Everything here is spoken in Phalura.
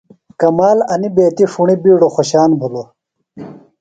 کمال انیۡ بیتیۡ ݜُݨیۡ بِیڈوۡ خوۡشان بِھلوۡ۔